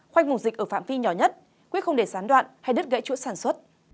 khoanh mục dịch ở phạm vi nhỏ nhất quyết không để sán đoạn hay đứt gãy chuỗi sản xuất